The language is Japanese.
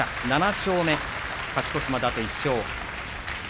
勝ち越しまであと１勝。